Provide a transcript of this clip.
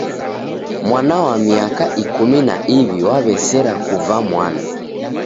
Mwana wa miaka ikumi na iw'i waw'esera kuva mwana!